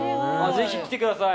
ぜひ来てください。